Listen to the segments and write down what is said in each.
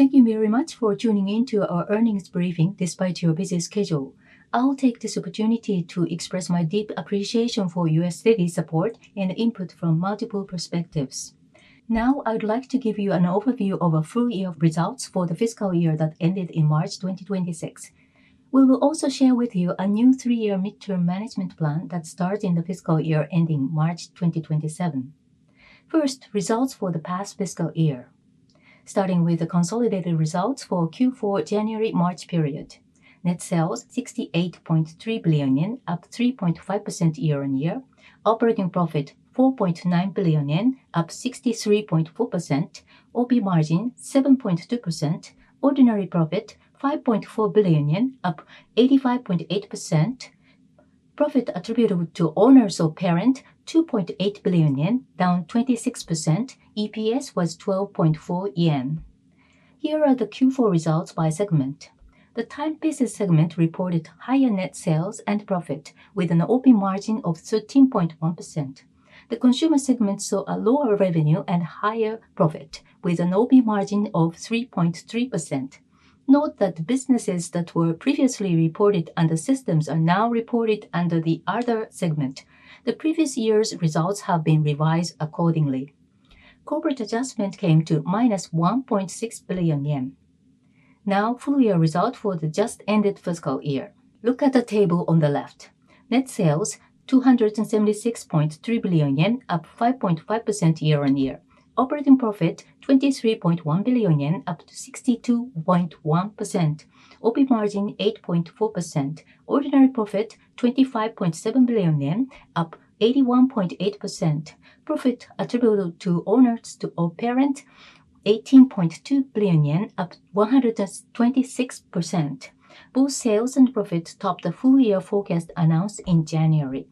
Thank you very much for tuning in to our earnings briefing despite your busy schedule. I'll take this opportunity to express my deep appreciation for your steady support and input from multiple perspectives. I would like to give you an overview of a full year of results for the fiscal year that ended in March 2026. We will also share with you a new three-year midterm management plan that starts in the fiscal year ending March 2027. First, results for the past fiscal year. Starting with the consolidated results for Q4 January-March period. Net sales 68.3 billion yen, up 3.5% year-on-year. Operating profit 4.9 billion yen, up 63.4%. OP margin 7.2%. Ordinary profit 5.4 billion yen, up 85.8%. Profit attributable to owners of parent 2.8 billion yen, down 26%. EPS was 12.4 yen. Here are the Q4 results by segment. The Timepieces segment reported higher net sales and profit with an OP margin of 13.1%. The Consumer segment saw a lower revenue and higher profit with an OP margin of 3.3%. Note that businesses that were previously reported under Systems are now reported under the Other segment. The previous year's results have been revised accordingly. Corporate adjustment came to -1.6 billion yen. Full-year result for the just ended fiscal year. Look at the table on the left. Net sales 276.3 billion yen, up 5.5% year-on-year. Operating profit 23.1 billion yen, up to 62.1%. OP margin 8.4%. Ordinary profit 25.7 billion yen, up 81.8%. Profit attributable to owners of parent 18.2 billion yen, up 126%. Both sales and profits topped the full-year forecast announced in January.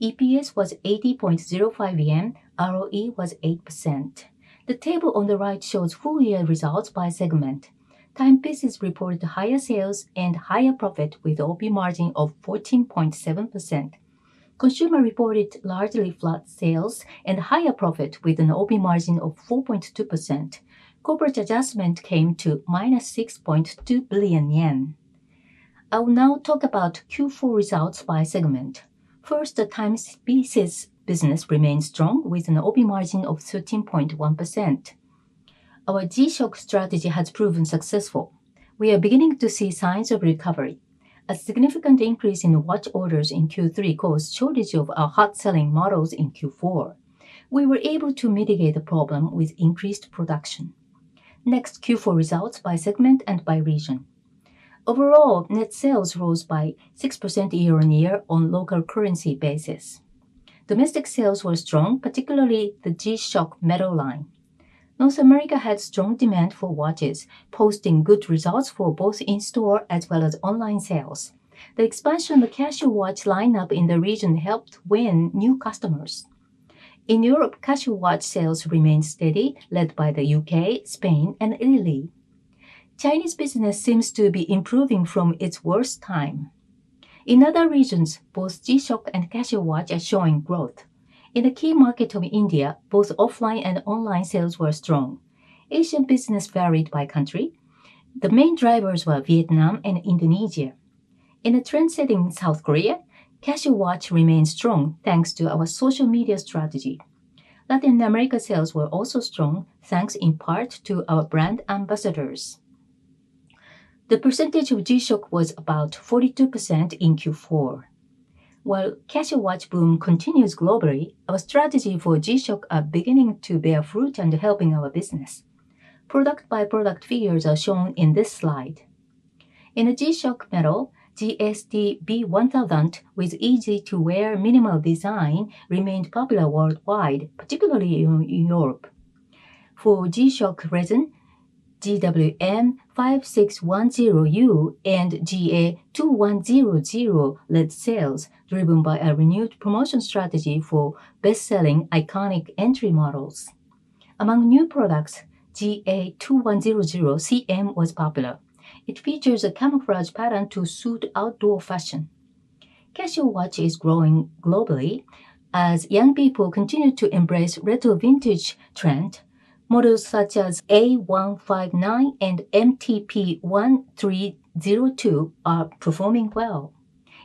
EPS was 80.05 yen, ROE was 8%. The table on the right shows full-year results by segment. Timepieces reported higher sales and higher profit with OP margin of 14.7%. Consumer reported largely flat sales and higher profit with an OP margin of 4.2%. Corporate adjustment came to -6.2 billion yen. I will now talk about Q4 results by segment. First, the Timepieces business remained strong with an OP margin of 13.1%. Our G-SHOCK strategy has proven successful. We are beginning to see signs of recovery. A significant increase in watch orders in Q3 caused shortage of our hot-selling models in Q4. We were able to mitigate the problem with increased production. Q4 results by segment and by region. Overall, net sales rose by 6% year-on-year on local currency basis. Domestic sales were strong, particularly the G-SHOCK Metal line. North America had strong demand for watches, posting good results for both in-store as well as online sales. The expansion of Casio Watch lineup in the region helped win new customers. In Europe, Casio Watch sales remained steady, led by the U.K., Spain, and Italy. Chinese business seems to be improving from its worst time. In other regions, both G-SHOCK and Casio Watch are showing growth. In the key market of India, both offline and online sales were strong. Asian business varied by country. The main drivers were Vietnam and Indonesia. In a trend-setting South Korea, Casio Watch remained strong, thanks to our social media strategy. Latin America sales were also strong, thanks in part to our brand ambassadors. The percentage of G-SHOCK was about 42% in Q4. While Casio Watch boom continues globally, our strategy for G-SHOCK are beginning to bear fruit and helping our business. Product by product figures are shown in this slide. In a G-SHOCK Metal, GST-B1000, with easy-to-wear minimal design, remained popular worldwide, particularly in Europe. For G-SHOCK Resin, GW-M5610U and GA-2100 led sales, driven by a renewed promotion strategy for best-selling iconic entry models. Among new products, GA-2100CM was popular. It features a camouflage pattern to suit outdoor fashion. Casio Watch is growing globally. As young people continue to embrace retro vintage trend, models such as A159 and MTP-1302 are performing well.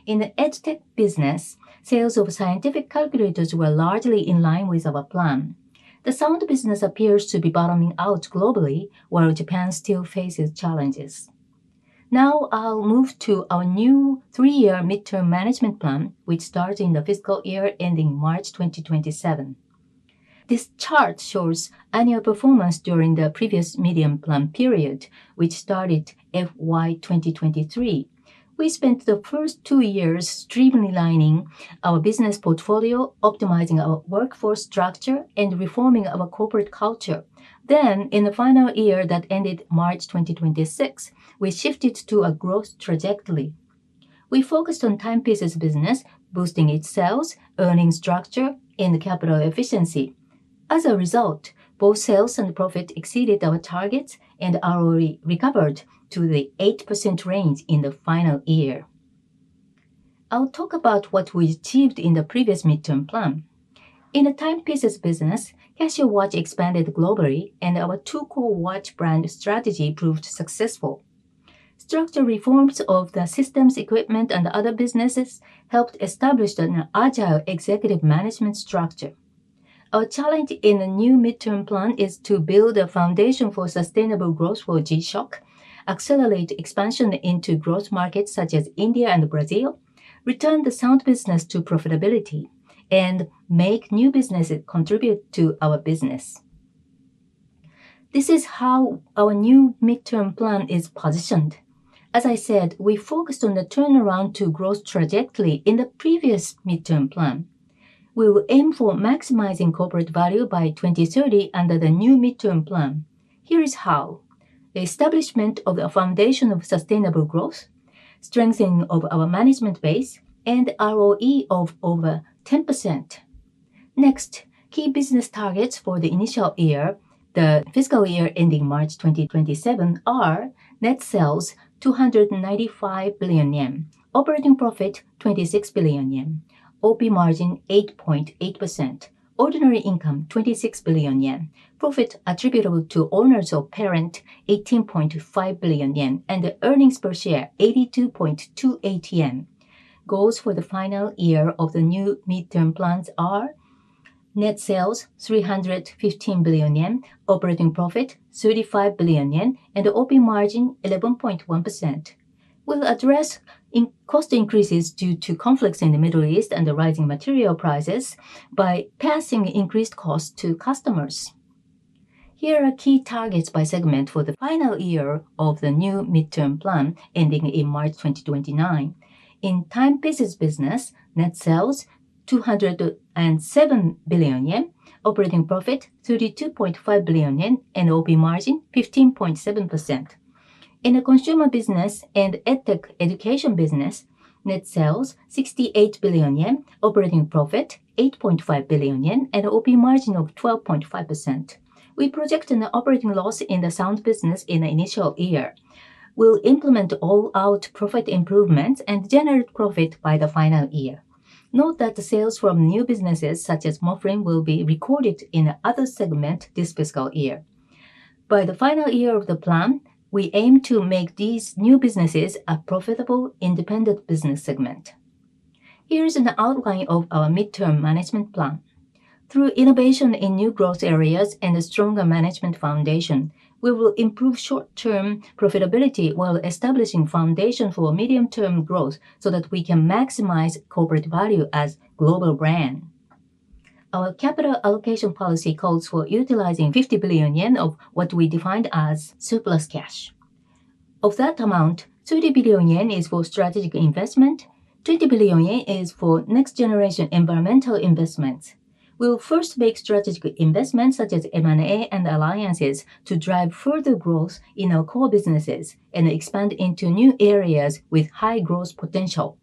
In the EdTech business, sales of scientific calculators were largely in line with our plan. The Sound business appears to be bottoming out globally, while Japan still faces challenges. Now, I'll move to our new three-year midterm management plan, which starts in the fiscal year ending March 2027. This chart shows annual performance during the previous medium plan period, which started FY 2023. We spent the first two years streamlining our business portfolio, optimizing our workforce structure, and reforming our corporate culture. In the final year that ended March 2026, we shifted to a growth trajectory. We focused on Timepieces business, boosting its sales, earning structure, and capital efficiency. As a result, both sales and profit exceeded our targets and are already recovered to the 8% range in the final year. I'll talk about what we achieved in the previous midterm plan. In the Timepieces business, Casio Watch expanded globally, and our two core watch brand strategy proved successful. Structural reforms of the systems, equipment, and other businesses helped establish an agile executive management structure. Our challenge in the new midterm plan is to build a foundation for sustainable growth for G-SHOCK, accelerate expansion into growth markets such as India and Brazil, return the Sound business to profitability, and make new businesses contribute to our business. This is how our new midterm plan is positioned. As I said, we focused on the turnaround to growth trajectory in the previous midterm plan. We will aim for maximizing corporate value by 2030 under the new midterm plan. Here is how. The establishment of a foundation of sustainable growth, strengthening of our management base, ROE of over 10%. Next, key business targets for the initial year, the fiscal year ending March 2027, are net sales 295 billion yen, operating profit 26 billion yen, OP margin 8.8%, ordinary income 26 billion yen, profit attributable to owners of parent 18.5 billion yen, and earnings per share 82.28 yen. Goals for the final year of the new midterm plans are net sales 315 billion yen, operating profit 35 billion yen, and OP margin 11.1%. We'll address cost increases due to conflicts in the Middle East and the rising material prices by passing the increased cost to customers. Here are key targets by segment for the final year of the new midterm plan ending in March 2029. In Timepieces business, net sales 207 billion yen, operating profit 32.5 billion yen, and OP margin 15.7%. In the consumer business and EdTech business, net sales 68 billion yen, operating profit 8.5 billion yen, and OP margin of 12.5%. We project an operating loss in the Sound business in the initial year. We'll implement all-out profit improvements and generate profit by the final year. Note that the sales from new businesses such as Moflin will be recorded in other segment this fiscal year. By the final year of the plan, we aim to make these new businesses a profitable independent business segment. Here is an outline of our midterm management plan. Through innovation in new growth areas and a stronger management foundation, we will improve short-term profitability while establishing foundation for medium-term growth so that we can maximize corporate value as global brand. Our capital allocation policy calls for utilizing 50 billion yen of what we defined as surplus cash. Of that amount, 30 billion yen is for strategic investment, 20 billion yen is for next generation environmental investments. We'll first make strategic investments such as M&A and alliances to drive further growth in our core businesses and expand into new areas with high growth potential.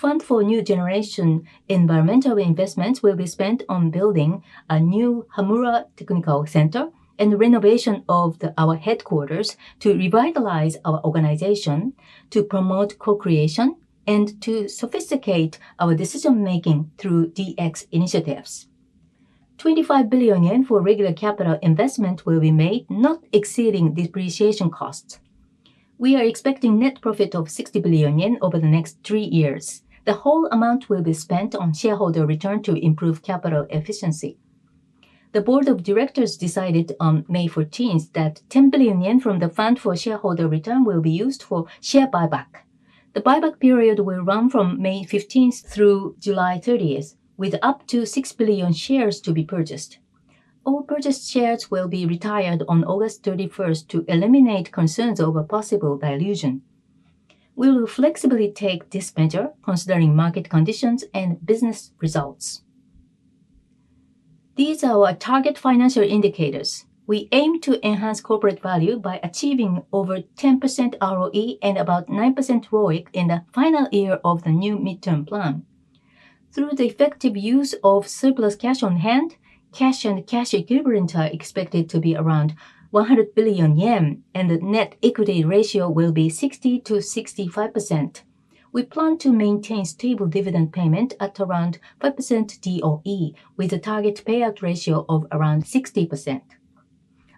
Fund for new generation environmental investments will be spent on building a new Hamura Technical Center and renovation of our headquarters to revitalize our organization, to promote co-creation, and to sophisticate our decision-making through DX initiatives. 25 billion yen for regular capital investment will be made, not exceeding depreciation costs. We are expecting net profit of 60 billion yen over the next three years. The whole amount will be spent on shareholder return to improve capital efficiency. The board of directors decided on May 14th that 10 billion yen from the fund for shareholder return will be used for share buyback. The buyback period will run from May 15th through July 30th, with up to 6 million shares to be purchased. All purchased shares will be retired on August 31st to eliminate concerns over possible dilution. We will flexibly take this measure considering market conditions and business results. These are our target financial indicators. We aim to enhance corporate value by achieving over 10% ROE and about 9% ROIC in the final year of the new midterm plan. Through the effective use of surplus cash on hand, cash and cash equivalent are expected to be around 100 billion yen, and the net equity ratio will be 60%-65%. We plan to maintain stable dividend payment at around 5% DOE, with a target payout ratio of around 60%.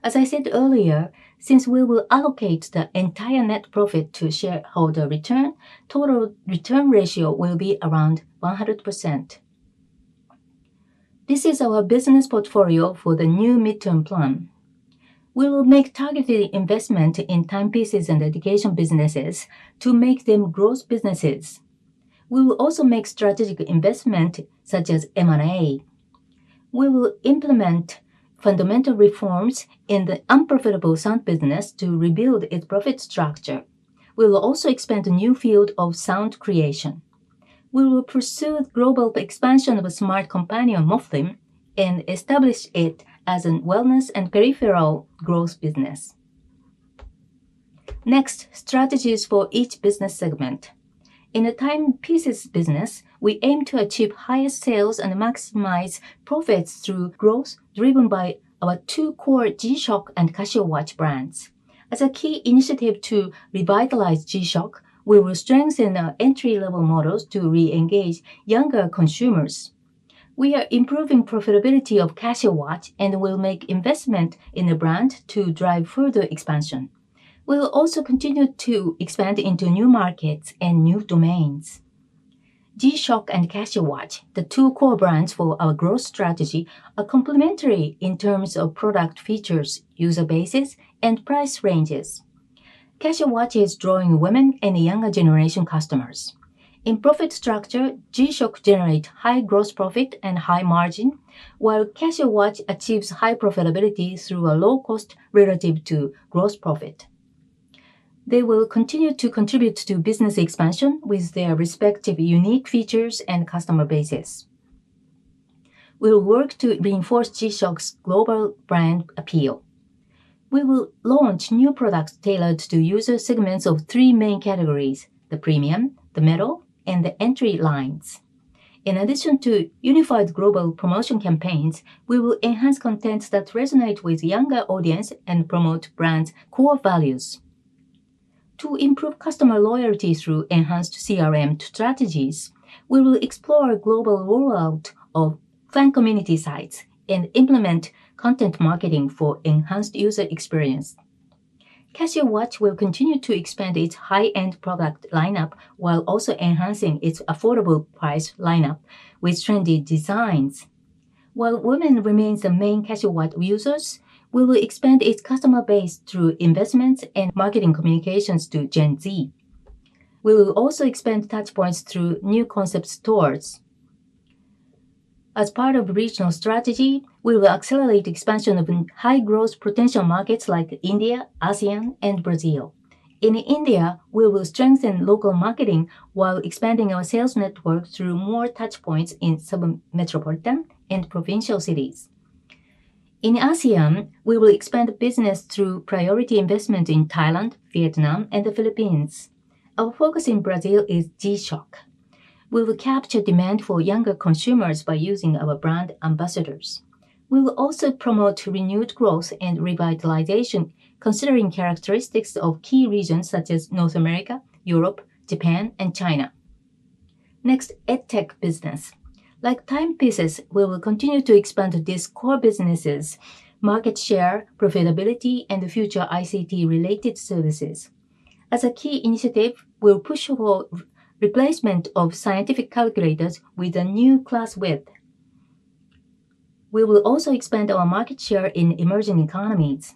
As I said earlier, since we will allocate the entire net profit to shareholder return, total return ratio will be around 100%. This is our business portfolio for the new midterm plan. We will make targeted investment in Timepieces and education businesses to make them growth businesses. We will also make strategic investment such as M&A. We will implement fundamental reforms in the unprofitable Sound business to rebuild its profit structure. We will also expand a new field of sound creation. We will pursue global expansion of a smart companion, Moflin, and establish it as a wellness and peripheral growth business. Next, strategies for each business segment. In the Timepieces business, we aim to achieve higher sales and maximize profits through growth driven by our two core G-SHOCK and Casio Watch brands. As a key initiative to revitalize G-SHOCK, we will strengthen our entry-level models to re-engage younger consumers. We are improving profitability of Casio Watch and will make investment in the brand to drive further expansion. We'll also continue to expand into new markets and new domains. G-SHOCK and Casio Watch, the two core brands for our growth strategy, are complementary in terms of product features, user bases, and price ranges. Casio Watch is drawing women and younger generation customers. In profit structure, G-SHOCK generate high gross profit and high margin, while Casio Watch achieves high profitability through a low cost relative to gross profit. They will continue to contribute to business expansion with their respective unique features and customer bases. We will work to reinforce G-SHOCK's global brand appeal. We will launch new products tailored to user segments of three main categories: the premium, the Metal, and the entry lines. In addition to unified global promotion campaigns, we will enhance content that resonate with younger audience and promote brand core values. To improve customer loyalty through enhanced CRM strategies, we will explore a global rollout of fan community sites and implement content marketing for enhanced user experience. Casio Watch will continue to expand its high-end product lineup while also enhancing its affordable price lineup with trendy designs. While women remains the main Casio Watch users, we will expand its customer base through investments and marketing communications to Gen Z. We will also expand touchpoints through new concept stores. As part of regional strategy, we will accelerate expansion of high growth potential markets like India, ASEAN, and Brazil. In India, we will strengthen local marketing while expanding our sales network through more touchpoints in some metropolitan and provincial cities. In ASEAN, we will expand the business through priority investment in Thailand, Vietnam, and the Philippines. Our focus in Brazil is G-SHOCK. We will capture demand for younger consumers by using our brand ambassadors. We will also promote renewed growth and revitalization, considering characteristics of key regions such as North America, Europe, Japan, and China. Next, EdTech business. Like Timepieces, we will continue to expand this core business' market share, profitability, and future ICT-related services. As a key initiative, we'll push for replacement of scientific calculators with a new ClassWiz. We will also expand our market share in emerging economies.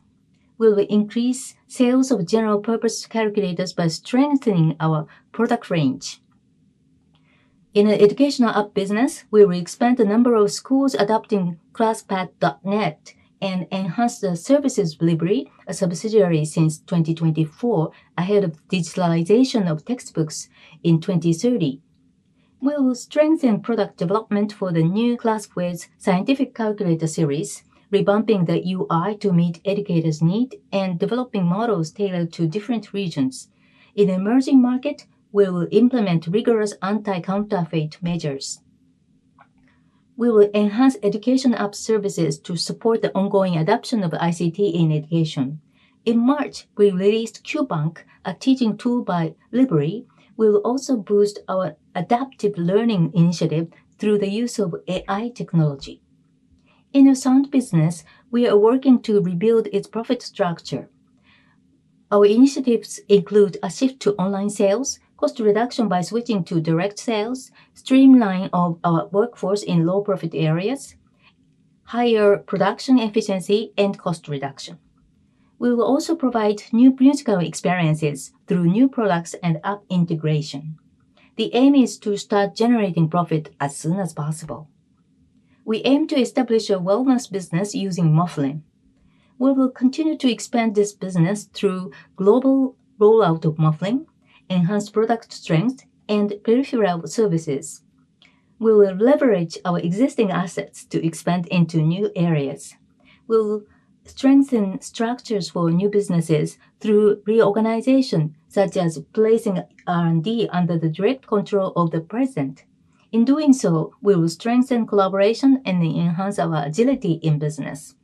We will increase sales of general purpose calculators by strengthening our product range. In the education app business, we will expand the number of schools adopting ClassPad.net and enhance the services of Libry, a subsidiary since 2024, ahead of digitalization of textbooks in 2030. We will strengthen product development for the new ClassWiz scientific calculator series, revamping the UI to meet educators' need, and developing models tailored to different regions. In emerging market, we will implement rigorous anti-counterfeit measures. We will enhance education app services to support the ongoing adoption of ICT in education. In March, we released Q.Bank, a teaching tool by Libry. We will also boost our adaptive learning initiative through the use of AI technology. In the Sound business, we are working to rebuild its profit structure. Our initiatives include a shift to online sales, cost reduction by switching to direct sales, streamline of our workforce in low profit areas, higher production efficiency, and cost reduction. We will also provide new musical experiences through new products and app integration. The aim is to start generating profit as soon as possible. We aim to establish a wellness business using Moflin. We will continue to expand this business through global rollout of Moflin, enhanced product strength, and peripheral services. We will leverage our existing assets to expand into new areas. We'll strengthen structures for new businesses through reorganization, such as placing R&D under the direct control of the president. In doing so, we will strengthen collaboration and enhance our agility in business.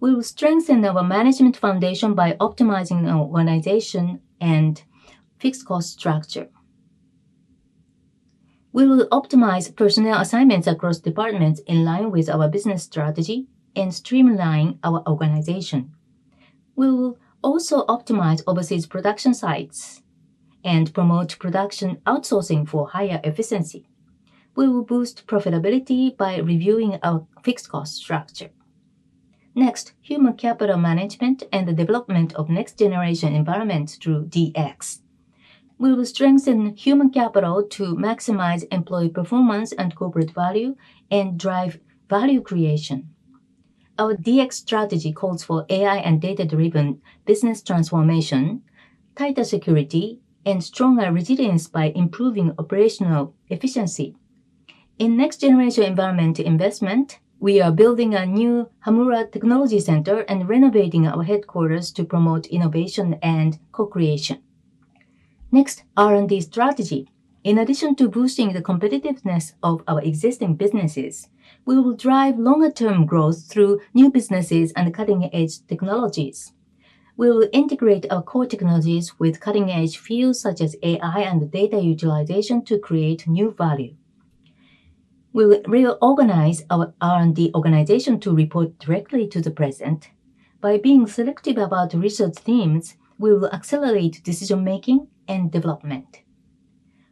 We will strengthen our management foundation by optimizing our organization and fixed cost structure. We will optimize personnel assignments across departments in line with our business strategy and streamline our organization. We will also optimize overseas production sites and promote production outsourcing for higher efficiency. We will boost profitability by reviewing our fixed cost structure. Next, human capital management and the development of next generation environment through DX. We will strengthen human capital to maximize employee performance and corporate value and drive value creation. Our DX strategy calls for AI and data-driven business transformation, tighter security, and stronger resilience by improving operational efficiency. In next generation environment investment, we are building a new Hamura R&D Center and renovating our headquarters to promote innovation and co-creation. Next, R&D strategy. In addition to boosting the competitiveness of our existing businesses, we will drive longer-term growth through new businesses and cutting-edge technologies. We will integrate our core technologies with cutting-edge fields such as AI and data utilization to create new value. We will reorganize our R&D organization to report directly to the president. By being selective about research themes, we will accelerate decision-making and development.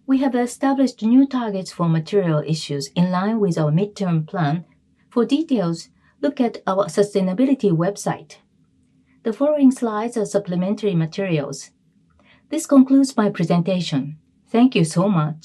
We have established new targets for material issues in line with our midterm plan. For details, look at our sustainability website. The following slides are supplementary materials. This concludes my presentation. Thank you so much.